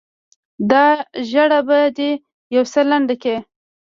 دا ږيره به دې يو څه لنډه کې.